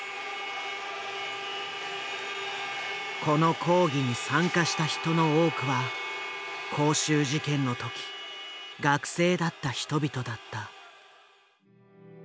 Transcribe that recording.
この抗議に参加した人の多くは光州事件の時学生だった人々だった。